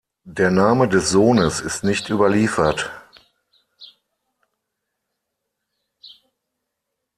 Der Name des Sohnes ist nicht überliefert.